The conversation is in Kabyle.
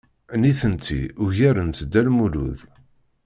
Nitenti ugarent Dda Lmulud.